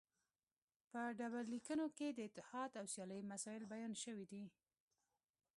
په ډبرلیکونو کې د اتحاد او سیالۍ مسایل بیان شوي دي